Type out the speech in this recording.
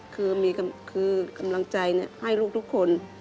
คือกำลังใจให้ลูกทุกคน